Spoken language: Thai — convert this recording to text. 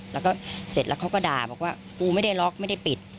แล้วก็เสร็จแล้วเขาก็ด่าบอกว่าปูไม่ได้ล็อกไม่ได้ปิด